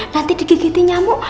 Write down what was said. nanti digigiti nyamuk